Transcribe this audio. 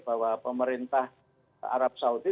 bahwa pemerintah arab saudi